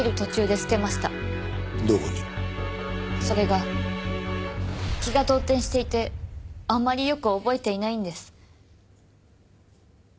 それが気が動転していてあんまりよく覚えていないんです。